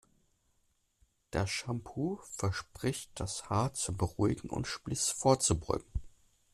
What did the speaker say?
Das Shampoo verspricht das Haar zu beruhigen und Spliss vorzubeugen.